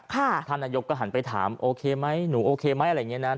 ท่านนายกก็หันไปถามโอเคไหมหนูโอเคไหมอะไรอย่างนี้นะ